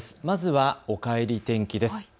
まずはおかえり天気です。